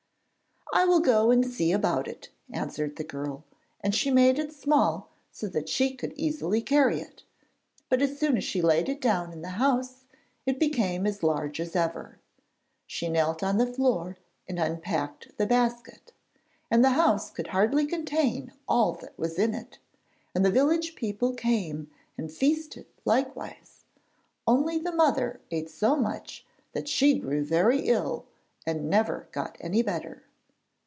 'I will go and see about it,' answered the girl, and she made it small so that she could easily carry it, but as soon as she laid it down in the house, it became as large as ever. She knelt on the floor and unpacked the basket, and the house could hardly contain all that was in it; and the village people came and feasted likewise. Only the mother ate so much that she grew very ill, and never got any better.